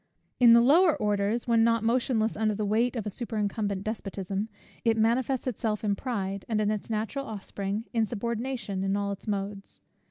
In the lower orders, when not motionless under the weight of a superincumbent despotism, it manifests itself in pride, and its natural offspring, insubordination in all its modes.